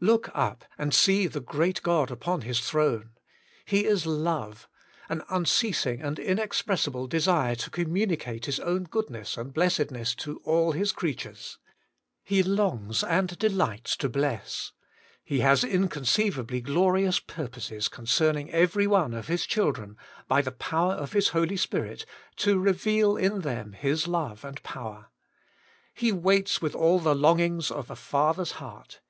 Look up and see the great God upon His throne. He is Love — an unceasing and inexpres sible desire to communicate His own goodness and blessedness to all His creatures. He longs and delights to bless. He has inconceivably glorious purposes concerning every one of His children, by the power of His Holy Spirit, to reveal in them His love and power. He waits with all the longings of a father's heart.